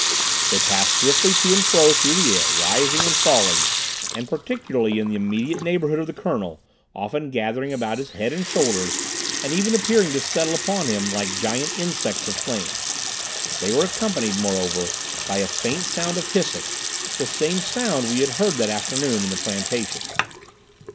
They passed swiftly to and fro through the air, rising and falling, and particularly in the immediate neighbourhood of the Colonel, often gathering about his head and shoulders, and even appearing to settle upon him like giant insects of flame. They were accompanied, moreover, by a faint sound of hissing—the same sound we had heard that afternoon in the plantation.